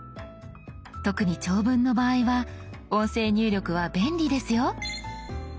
特に長文の場合は音声入力は便利ですよ。